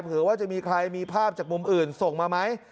เผื่อว่าจะมีใครมีภาพจากมุมอื่นส่งมาไหม